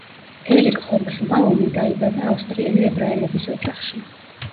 ერიკ ჰობსბაუმი დაიბადა ავსტრიელი ებრაელების ოჯახში.